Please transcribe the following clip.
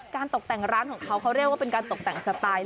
ตกแต่งร้านของเขาเขาเรียกว่าเป็นการตกแต่งสไตล์